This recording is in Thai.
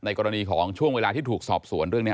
ในกรณีของช่วงเวลาที่ถูกสอบสวน